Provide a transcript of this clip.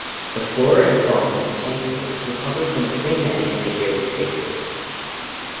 The flora and fauna in the sanctuary is recovering from its pre-managed degraded state.